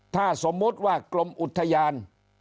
ถ้าสมมุติว่ากรมอุทยาน